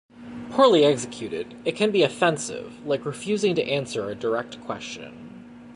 Poorly executed, it can be offensive, like refusing to answer a direct question.